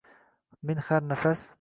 Men har nafas